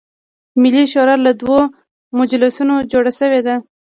ملي شورا له دوه مجلسونو جوړه شوې ده.